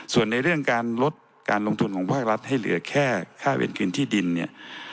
ส่วนในเรื่องการลดการลงทุนของภาครัฐให้เหลือแค่ค่าเวรคืนที่ดินเนี่ย